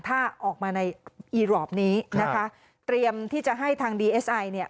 ถ้าออกมาในอีรอปนี้นะคะเตรียมที่จะให้ทางดีเอสไอเนี่ย